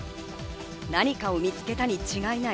何かを見つけたに違いない。